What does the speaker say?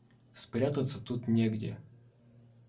Спрятаться тут негде.